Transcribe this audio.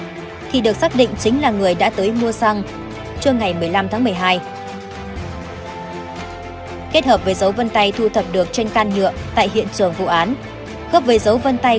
kết hợp với dấu vân tay thu thập được trên can nhựa tại hiện trường vụ án góp với dấu vân tay của đối tượng tâm cơ quan công an có điều kiện để khẳng định hung thủ chính là đối tượng tâm